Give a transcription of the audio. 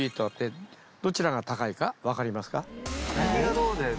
どちらが高いか分かりますか？